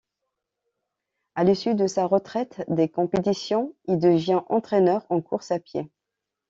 À l'issue de sa retraite des compétitions il devient entraîneur en course à pied.